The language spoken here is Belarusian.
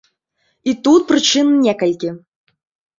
І тут прычын некалькі.